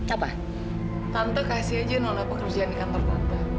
apa tante kasih aja nola pekerjaan di kantor tante